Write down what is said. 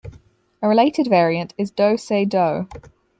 A related variant is "do-se-do".